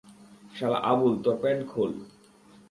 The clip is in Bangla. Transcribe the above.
শালা আবুল, তোর প্যান্ট খোল।